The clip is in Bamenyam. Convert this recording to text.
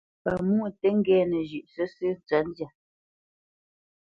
Pámwô tǝ́ ŋgɛ́nǝ zhʉ̌ʼ sǝ́sǝ̂ ndyâ.